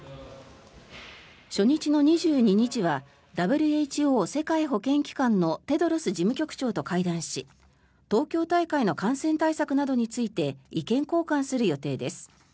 初日の２２日はＷＨＯ・世界保健機関のテドロス事務局長と会談し東京大会の感染対策などについて意見交換する予定です。